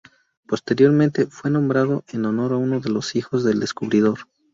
Posteriormente, fue nombrado en honor de uno de los hijos del descubridor.